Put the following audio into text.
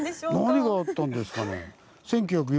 何があったんですかね？